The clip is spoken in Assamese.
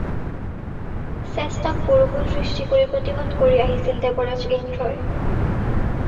চেষ্টাক বৰষুণ সৃষ্টি কৰি প্ৰতিহত কৰি আহিছিল দেৱৰাজ ইন্দ্ৰই।